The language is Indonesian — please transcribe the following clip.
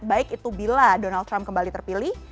baik itu bila donald trump kembali terpilih